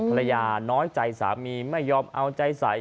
ภรรยาน้อยใจสามีไม่ยอมเอาใจใส